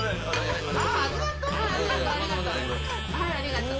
あありがとう。